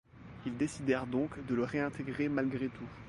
Ils décidèrent donc de le réintégrer malgré tout.